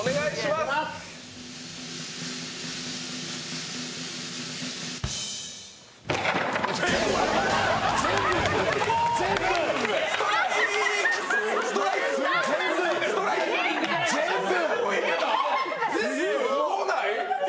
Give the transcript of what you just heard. すごない？